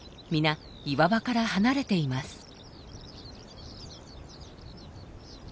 皆岩場から離れています。